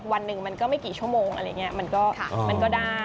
วันหนึ่งมันก็ไม่กี่ชั่วโมงอะไรอย่างนี้มันก็ได้